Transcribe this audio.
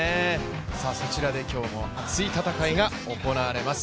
そちらで熱い戦いが行われます。